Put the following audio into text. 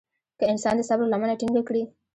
که انسان د صبر لمنه ټينګه کړي.